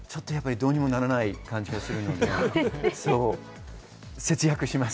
どうにもならない感じがします。